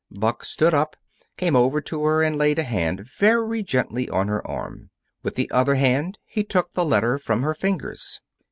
Buck stood up, came over to her, and laid a hand very gently on her arm. With the other hand he took the letter from her fingers.